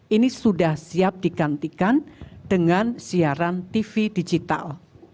ini sudah siap digantikan dengan siaran tv digital